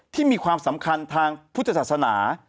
มีความสำคัญทางพุทธศาสนา